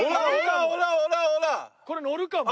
これのるかも。